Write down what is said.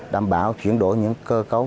đảm bảo chuyển đổi những cơ cấu